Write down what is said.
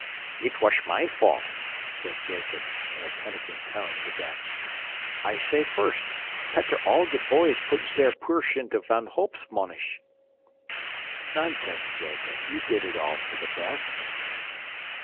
"It wash my fault," said Jacob, in a penitent tone, to Ben. "I say first, petter all de boys put zair pursh into Van Holp's monish." "Nonsense, Jacob. You did it all for the best."